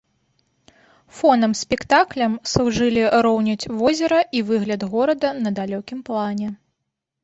Фонам спектаклям служылі роўнядзь возера і выгляд горада на далёкім плане.